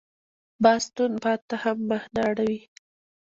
باز تند باد ته هم مخ نه اړوي